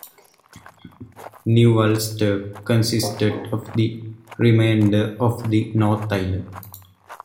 New Ulster consisted of the remainder of the North Island.